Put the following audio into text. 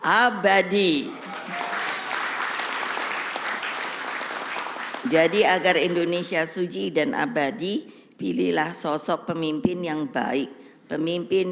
abadi jadi agar indonesia suji dan abadi pilihlah sosok pemimpin yang baik pemimpin